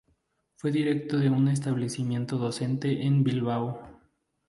Fue director de un establecimiento docente en Bilbao.